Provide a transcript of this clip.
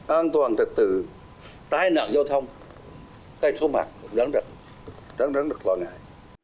an toàn trật tự tai nạn giao thông cái số mặt cũng đáng đáng đáng đáng đáng lo ngại